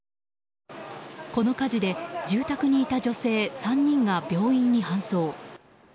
この火事で、住宅にいた女性３人が病院に搬送。